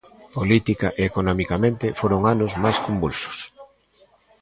Política e economicamente, foron anos máis convulsos.